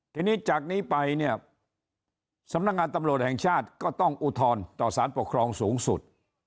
ทีนี้จากนี้ไปเนี่ยสำนักงานตำรวจแห่งชาติก็ต้องอุทธรณ์ต่อสารปกครองสูงสุด